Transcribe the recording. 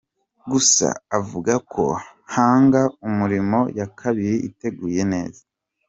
Gusa avuga ko Hanga Umurimo ya kabiri iteguye neza.